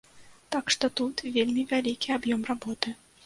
Так што, тут вельмі вялікі аб'ём работы.